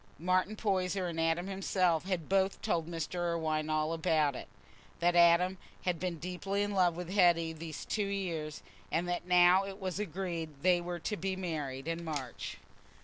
Martin Poyser and Adam himself had both told Mr. Irwine all about it—that Adam had been deeply in love with Hetty these two years, and that now it was agreed they were to be married in March.